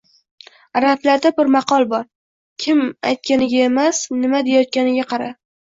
Arablarda bir maqol bor: “Kim aytganiga emas, nima deyayotganiga qara”.